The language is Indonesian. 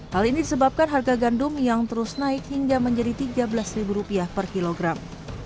hal ini disebabkan harga gandum yang terus naik hingga menjadi rp tiga belas per kilogram